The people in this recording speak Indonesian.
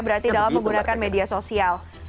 berarti dalam menggunakan media sosial